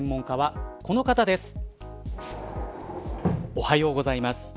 おはようございます。